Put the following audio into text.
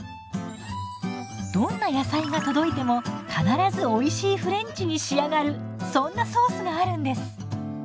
どんな野菜が届いても必ずおいしいフレンチに仕上がるそんなソースがあるんです！